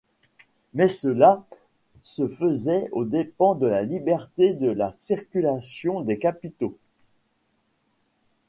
Mais cela se faisait aux dépens de la liberté de circulation des capitaux.